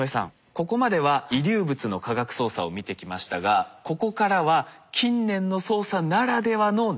ここまでは遺留物の科学捜査を見てきましたがここからは近年の捜査ならではの難問です。